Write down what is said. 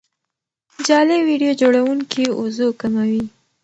جعلي ویډیو جوړونکي وضوح کموي.